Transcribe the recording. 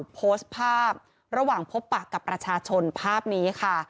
โพสต์ภาพระหว่างพบปากกับประชาชนภาพนี้ค่ะ